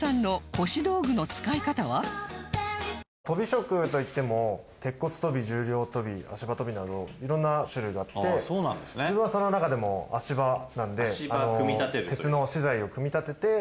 鳶職といっても鉄骨鳶重量鳶足場鳶など色んな種類があって自分はその中でも足場なんで鉄の資材を組み立てて足場を作る。